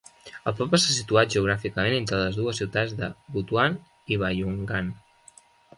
El poble està situat geogràficament entre les dues ciutats de Butuan i Bayungan.